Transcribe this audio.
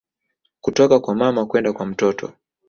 Kutoka kwa mama kwenda kwa mtoto